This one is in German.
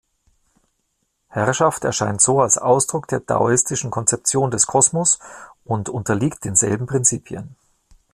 Herrschaft erscheint so als Ausdruck der daoistischen Konzeption des Kosmos und unterliegt denselben Prinzipien.